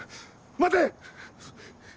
待て！